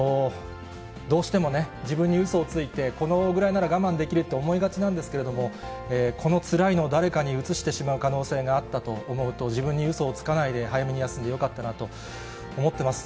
どうしてもね、自分にうそをついて、このぐらいなら我慢できるって思いがちなんですけれども、このつらいのを誰かにうつしてしまう可能性があったと思うと、自分にうそをつかないで、早めに休んでよかったなと思ってます。